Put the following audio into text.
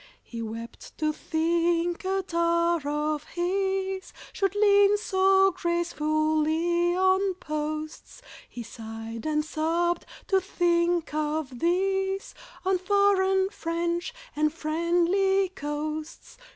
He wept to think a tar of his Should lean so gracefully on posts, He sighed and sobbed to think of this, On foreign, French, and friendly coasts.